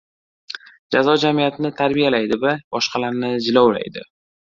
Jazo jamiyatni tarbiyalaydi va boshqalarni jilovlaydi.